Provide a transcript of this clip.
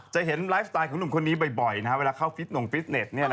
จะเห็นไลฟ์สไตล์ของหนุ่มคนนี้บ่อยนะฮะเวลาเข้าหนุ่มฟิตเน็ตเนี่ยนะครับ